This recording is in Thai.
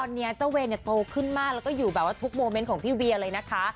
ตอนนี้เจ้าเวคนนี้โตขึ้นมากและอยู่แบบทุกโมเม้นต์ของพี่เวียเลยนะคะ